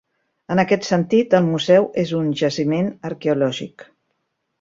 En aquest sentit, el museu és un jaciment arqueològic.